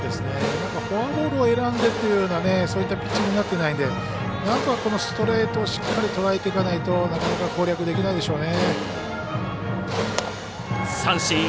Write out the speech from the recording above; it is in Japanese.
フォアボールを選んでというようなそういったピッチングになっていないんであとはストレートをしっかりとらえていかないとなかなか攻略できないでしょうね。